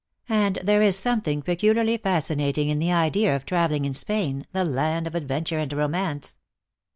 And there is something pecu liarly fascinating in the idea of traveling in Spain, the land of adventure and romance."